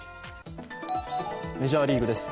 メジャーリーグです。